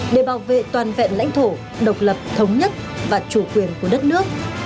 để bảo vệ toàn vẹn lãnh thổ độc lập thống nhất và chủ quyền của đất nước